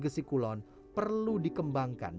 gesekulun perlu dikembangkan